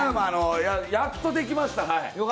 やっとできました。